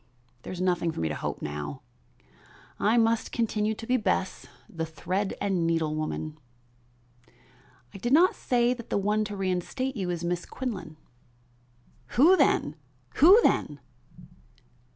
There is nothing for me to hope for now. I must continue to be Bess, the thread and needle woman." "I did not say that the one to reinstate you was Miss Quinlan." "Who then? who then?"